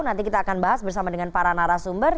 nanti kita akan bahas bersama dengan para narasumber